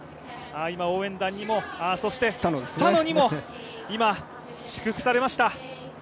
今、応援団にもそしてスタノにも今、祝福されました。